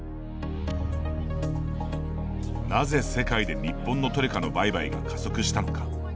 なぜ世界で日本のトレカの売買が加速したのか。